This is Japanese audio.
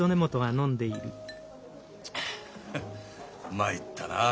参ったな。